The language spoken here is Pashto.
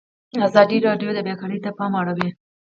ازادي راډیو د بیکاري ته پام اړولی.